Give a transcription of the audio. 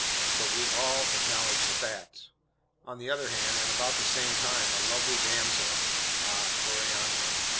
But we all acknowledge the fact. On the other hand, and about the same time, a lovely damsel (ah! Clorinda!)